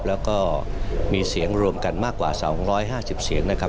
แล้วก็มีเสียงรวมกันมากกว่า๒๕๐เสียงนะครับ